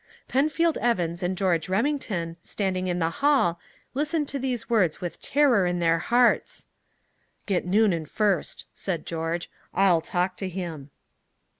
Penfield Evans and George Remington, standing in the hall, listened to these words with terror in their hearts. "Get Noonan first," said George. "I'll talk to him."